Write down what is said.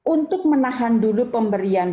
untuk menahan dulu pemberian